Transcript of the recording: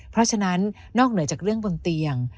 เพราะฉะนั้นนอกเหนือจากเรื่องบนเตียง